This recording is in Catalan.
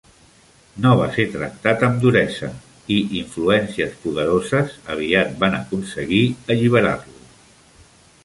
No va ser tractat amb duresa, i influències poderoses aviat van aconseguir alliberar-lo.